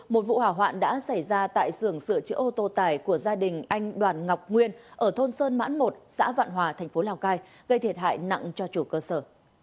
một vụ hỏa hoạn đã xảy ra tại sưởng sửa chữa ô tô tải của gia đình anh đoàn ngọc nguyên ở thôn sơn mãn một xã vạn hòa thành phố lào cai gây thiệt hại nặng cho chủ cơ sở